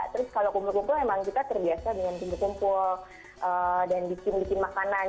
terus kalau kumpul kumpul emang kita terbiasa dengan kumpul kumpul dan bikin bikin makanan